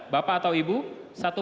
bapak atau ibu